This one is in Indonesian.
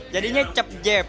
jadinya cep jeb